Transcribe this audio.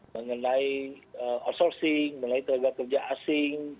mengenai outsourcing mengenai tenaga kerja asing